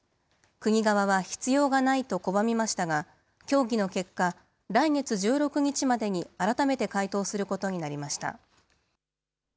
国側は必要がないと拒みましたが、協議の結果、来月１６日までに改めて回答することになりました。